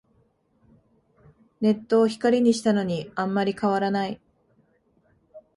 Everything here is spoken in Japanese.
ネットを光にしたのにあんまり変わらない